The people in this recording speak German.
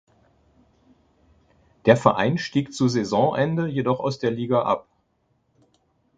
Der Verein stieg zu Saisonende jedoch aus der Liga ab.